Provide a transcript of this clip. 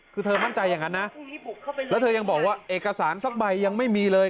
คือเธอมั่นใจอย่างนั้นนะแล้วเธอยังบอกว่าเอกสารสักใบยังไม่มีเลย